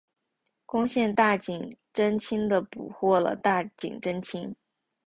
攻陷大井贞清的捕获了大井贞清。